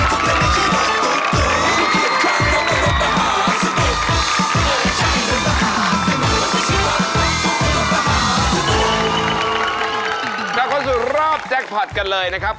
ทุกคนสุดรอบแจกพอดกันเลยนะครับ